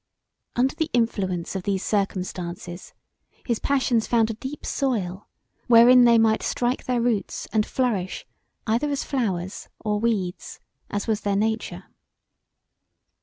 Under the influence of these circumstances his passions found a deep soil wherein they might strike their roots and flourish either as flowers or weeds as was their nature.